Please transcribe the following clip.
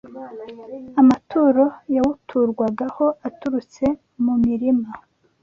amaturo yawuturwagaho aturutse mu mirima